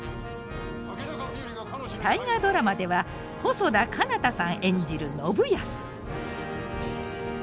「大河ドラマ」では細田佳央太さん演じる信康。